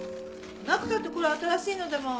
なくたってこれ新しいのだもん